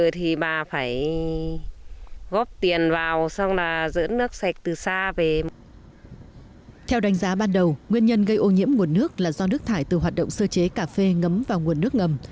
theo đánh giá ban đầu nguyên nhân gây ô nhiễm nguồn nước là do nước thải từ hoạt động sơ chế cà phê ngấm vào nguồn nước ngầm